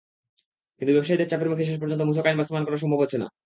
কিন্তু ব্যবসায়ীদের চাপের মুখে শেষ পর্যন্ত মূসক আইন বাস্তবায়ন করা হচ্ছে না।